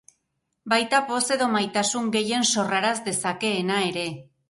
Baita poz edo maitasun gehien sorraraz dezakeena ere.